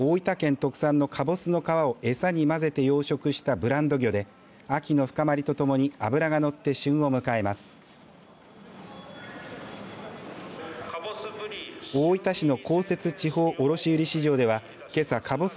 特産のカボスの皮をえさに混ぜて養殖したブラン魚で秋の深まりとともに脂がのって旬を迎えます。